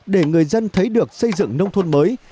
để người dân thấy được xây dựng nông thôn mới